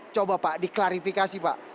coba pak diklarifikasi pak